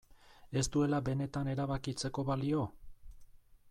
Ez duela benetan erabakitzeko balio?